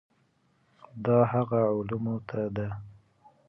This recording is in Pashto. دا هغو علومو ته ده.